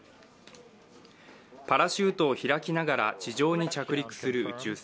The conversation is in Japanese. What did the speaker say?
パラシュートを開きながら地上に着陸する宇宙船。